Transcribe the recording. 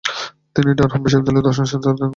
তিনি ডারহাম বিশ্ববিদ্যালয়ে দর্শনশাস্ত্র অধ্যয়ন করেন।